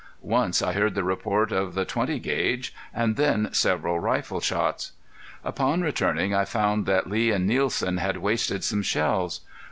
Once I heard the report of the .20 gauge, and then several rifle shots. Upon returning I found that Lee and Nielsen had wasted some shells.